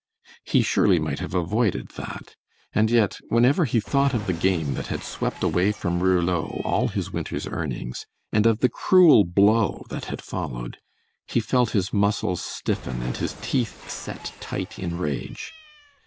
He surely might have avoided that; and yet whenever he thought of the game that had swept away from Rouleau all his winter's earnings, and of the cruel blow that had followed, he felt his muscles stiffen and his teeth set tight in rage.